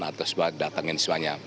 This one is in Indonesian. atau semua datangin semuanya